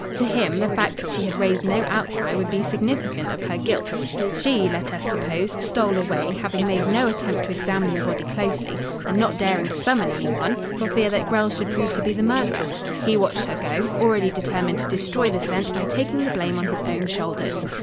To him the fact that she had raised no outcry would be significant of her guilt. She, let us suppose, stole away, having made no attempt to examine the body closely and not daring to summon any one, for fear that Grell should prove to be the murderer. He watched her go, already determined to destroy the scent by taking the blame on his own shoulders.